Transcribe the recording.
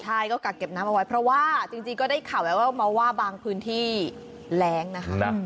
ใช่ก็กักเก็บน้ำเอาไว้เพราะว่าจริงก็ได้ข่าวแววมาว่าบางพื้นที่แรงนะคะ